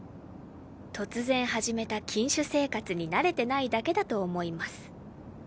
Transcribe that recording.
突然始めた禁酒生活に慣れてないだけだと思います。